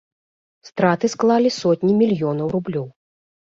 Страты склалі сотні мільёнаў рублёў.